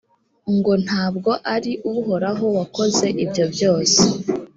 ngo nta bwo ari uhoraho wakoze ibyo byose!.